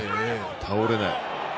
倒れない。